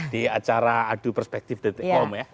di acara adu perspektif detik com ya